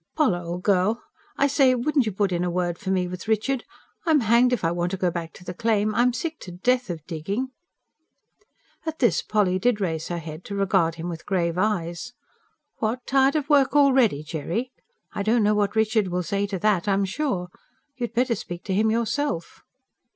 "Poll, old girl I say, wouldn't you put in a word for me with Richard? I'm hanged if I want to go back to the claim. I'm sick to death of digging." At this Polly did raise her head, to regard him with grave eyes. "What! tired of work already, Jerry? I don't know what Richard will say to that, I'm sure. You had better speak to him yourself."